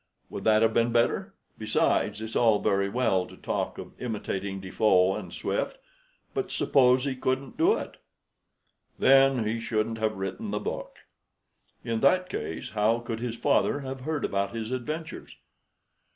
Would that have been better? Besides, it's all very well to talk of imitating Defoe and Swift; but suppose he couldn't do it?" "Then he shouldn't have written the book." "In that case how could his father have heard about his adventures?"